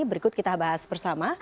berikut kita bahas bersama